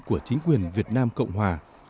của chính quyền việt nam cộng hòa